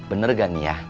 bener gak nih ya